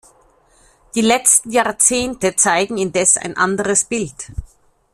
Die letzten Jahrzehnte zeigen indes ein anderes Bild.